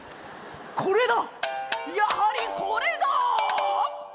これだやはりこれだ！」。